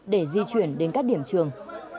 để di chuyển đến các điểm trường